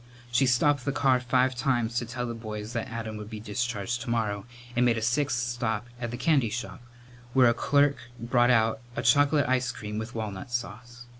She stopped the car five times to tell the boys that Adam would be discharged tomorrow, and made a sixth stop at the candy shop, where a clerk brought out a chocolate ice cream with walnut sauce.